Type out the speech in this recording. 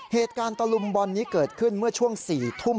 เหตุการณ์ตระลุมบอลนี้เกิดขึ้นเมื่อช่วง๔ทุ่ม